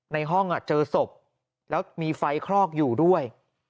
ในห้องเจอศพแล้วมีไฟคลอกอยู่ด้วย